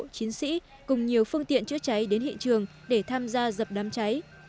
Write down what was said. chiến sĩ cùng nhiều phương tiện chữa cháy đến hiện trường để tham gia dập đám cháy